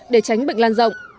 để tránh bệnh lan rộng